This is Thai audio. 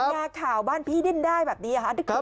อย่าข่าวบ้านพี่ดิ้นได้แบบนี้